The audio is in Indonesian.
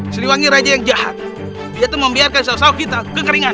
siliwangi raja yang jahat dia itu membiarkan sahur kita kekeringan